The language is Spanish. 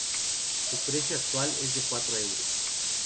Su precio actual es de cuatro euros.